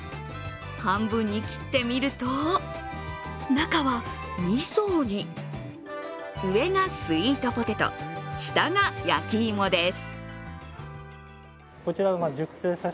半分に切ってみると、中は２層に上がスイートポテト、下が焼き芋です。